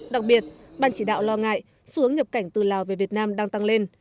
đặc biệt ban chỉ đạo lo ngại xu hướng nhập cảnh từ lào về việt nam đang tăng lên